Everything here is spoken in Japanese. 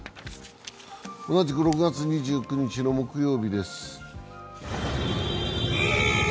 同じく６月２９日の木曜日です。